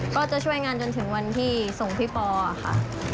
ก็จะช่วยงานจนถึงวันที่ส่งพี่ปอค่ะ